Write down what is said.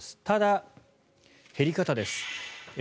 ただ、減り方です。